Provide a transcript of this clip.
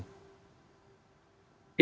ya kita mengkritik hal ini